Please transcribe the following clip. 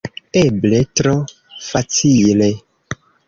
Eble tro facile.